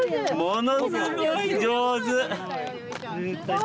ものすごい上手！